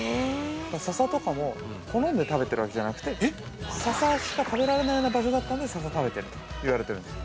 ささとかも、好んで食べてるわけじゃなくてささしか食べられないような場所だったんでささを食べてると言われているんです。